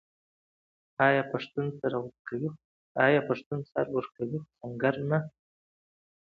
آیا پښتون سر ورکوي خو سنګر نه؟